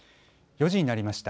４時になりました。